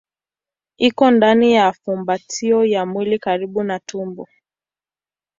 Iko ndani ya fumbatio ya mwili karibu na tumbo.